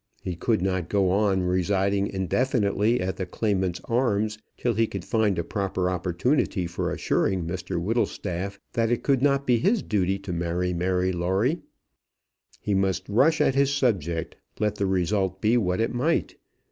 He could not go on residing indefinitely at the Claimant's Arms till he could find a proper opportunity for assuring Mr Whittlestaff that it could not be his duty to marry Mary Lawrie. He must rush at his subject, let the result be what it might.